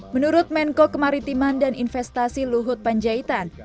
menurut menko kemaritiman dan investasi luhut panjaitan